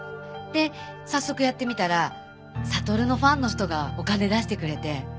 で早速やってみたらさとるのファンの人がお金出してくれて。